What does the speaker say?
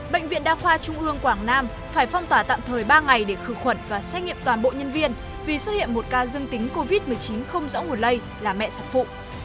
bệnh viện đa khoa trung ương quảng nam phải phong tỏa tạm thời ba ngày để khử khuẩn và xét nghiệm toàn bộ nhân viên vì xuất hiện một ca dương tính covid một mươi chín không rõ nguồn lây là mẹ sản phụ